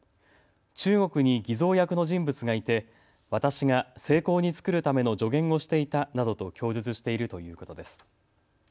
中国に偽造役の人物がいて私が精巧に作るための助言をしていたなどと供述しているということです。